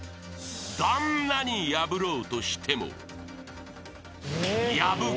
［どんなに破ろうとしても］